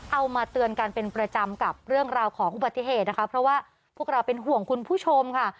เอามาเตือนกันเป็นประจำกับเรื่องราวของอุบัติเหตุนะคะเพราะว่าพวกเราเป็นห่วงคุณผู้ชมค่ะ